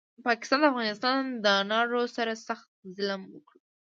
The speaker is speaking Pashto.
پاکستاد د افغانستان دانارو سره سخت ظلم وکړو